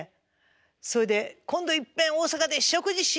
それで「今度いっぺん大阪で食事しようや！」